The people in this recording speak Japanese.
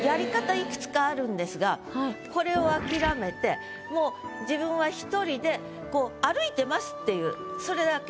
いくつかあるんですがこれを諦めてもう自分は一人で歩いてますっていうそれだけ。